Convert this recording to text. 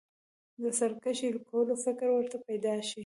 د سرکښي کولو فکر ورته پیدا شي.